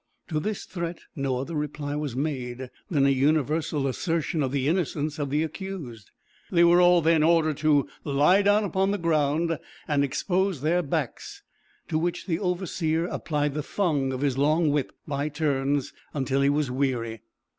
To this threat, no other reply was made than a universal assertion of the innocence of the accused. They were all then ordered to lie down upon the ground, and expose their backs, to which the overseer applied the thong of his long whip, by turns, until he was weary.